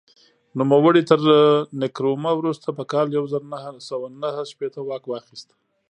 نوموړي تر نکرومه وروسته په کال یو زر نهه سوه نهه شپېته واک واخیست.